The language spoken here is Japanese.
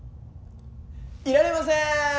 いられませーん！